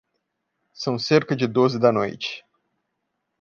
São cerca de doze da noite.